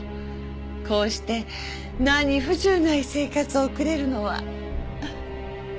こうして何不自由ない生活を送れるのは。